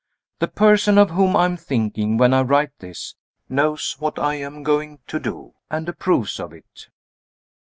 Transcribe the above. The person of whom I am thinking, when I write this, knows what I am going to do and approves of it.